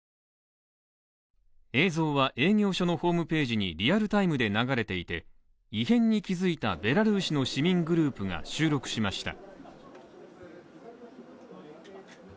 映像は営業所のホームページにリアルタイムで流れていて、異変に気づいたベラルーシの市民グループが収録しました。